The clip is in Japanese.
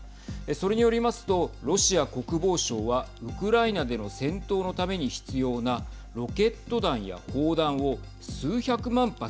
それによりますとロシア国防省はウクライナでの戦闘のために必要なロケット弾や砲弾を数百万発